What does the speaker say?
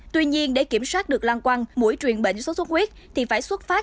tuy nhiên để kiểm soát được lan quăng mũi truyền bệnh sốt xuất huyết thì phải xuất phát